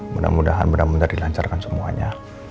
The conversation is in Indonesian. mudah mudahan mudah mudahan dilancarkan semuanya